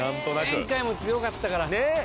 前回も強かったからねっ！